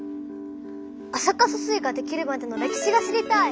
安積疏水ができるまでの歴史が知りたい！